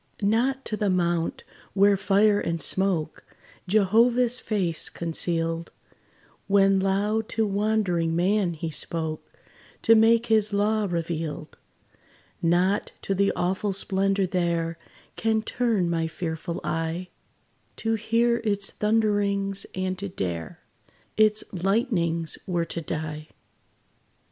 Not to the mount, where fire and smoke Jehovah's face concealed, When loud to wandering man he spoke, To make his law revealed Not to the awful splendor there Can turn my fearful eye: To hear its thunderings, and to dare Its lightnings, were to die.